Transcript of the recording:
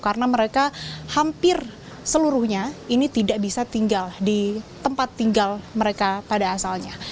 karena mereka hampir seluruhnya ini tidak bisa tinggal di tempat tinggal mereka pada asalnya